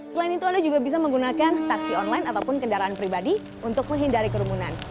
selain itu anda juga bisa menggunakan taksi online ataupun kendaraan pribadi untuk menghindari kerumunan